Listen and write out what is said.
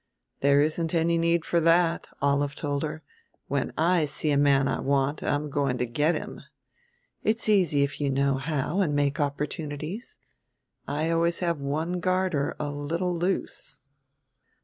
"There isn't any need for that," Olive told her. "When I see a man I want I'm going to get him. It's easy if you know how and make opportunities. I always have one garter a little loose."